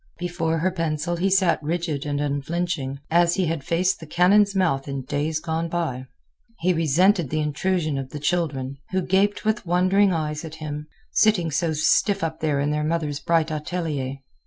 Before her pencil he sat rigid and unflinching, as he had faced the cannon's mouth in days gone by. He resented the intrusion of the children, who gaped with wondering eyes at him, sitting so stiff up there in their mother's bright atelier.